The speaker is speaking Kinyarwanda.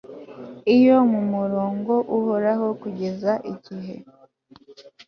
iyo mumurongo uhoraho kugeza igihe